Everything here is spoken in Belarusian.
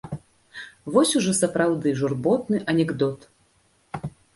Вось ужо сапраўды журботны анекдот.